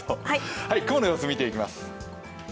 雲の様子見ていきます。